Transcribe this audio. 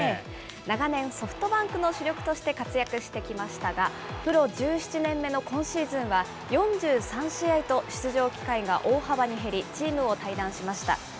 長年、ソフトバンクの主力として活躍してきましたが、プロ１７年目の今シーズンは４３試合と出場機会が大幅に減り、チームを退団しました。